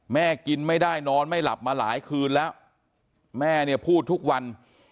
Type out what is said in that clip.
แม่เนี่ยพูดทุกวัน